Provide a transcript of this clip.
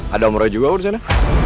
ada om roy juga kok di sana